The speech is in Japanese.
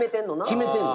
決めてんの。